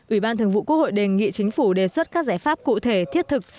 ủy ban thường vụ quốc hội đề nghị chính phủ đề xuất các giải pháp cụ thể thiết thực